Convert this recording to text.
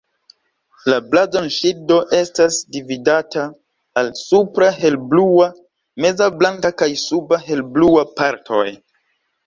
La blazonŝildo estas dividata al supra helblua, meza blanka kaj suba helblua partoj.